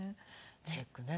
チェックね。